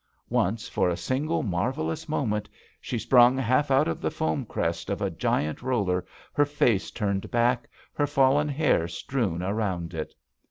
Once, for a single, marvelous moment, she sprung half out of the foam crest of a giant roller, her face turned back, her fallen hair strewn around it.